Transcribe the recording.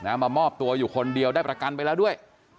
มามอบตัวอยู่คนเดียวได้ประกันไปแล้วด้วย